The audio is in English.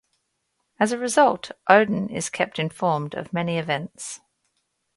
As a result, Odin is kept informed of many events.